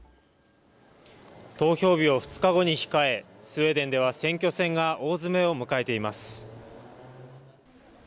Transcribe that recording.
投票日を２日後に控えスウェーデンでは選挙戦が大詰めを迎えています。